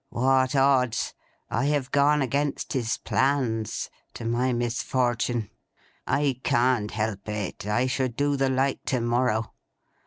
What odds? I have gone against his plans; to my misfortun'. I can't help it; I should do the like to morrow.